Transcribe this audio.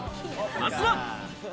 まずは。